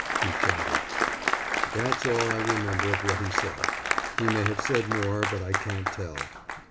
he shouted. That's all I remember of what he said. He may have said more, but I can't tell.